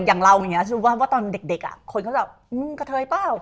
อย่างเราอย่างนี้สมมุติว่าตอนเด็กคนก็จะมึงกระเทยเปล่า